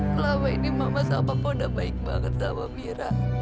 selama ini mama sama papa udah baik banget sama mira